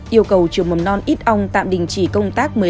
yêu cầu trường mầm non ít ong tạm đình chỉ công tác